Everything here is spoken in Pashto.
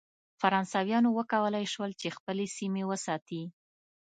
فرانسویانو وکولای شول چې خپلې سیمې وساتي.